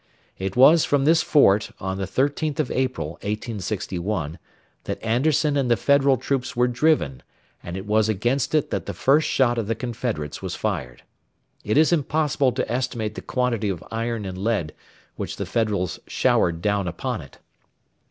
It was from this fort, on the 13th of April, 1861, that Anderson and the Federal troops were driven, and it was against it that the first shot of the Confederates was fired. It is impossible to estimate the quantity of iron and lead which the Federals showered down upon it.